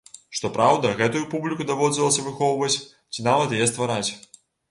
Што праўда, гэтую публіку даводзілася выхоўваць, ці нават яе ствараць.